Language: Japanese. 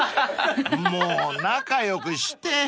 ［もう仲良くして！］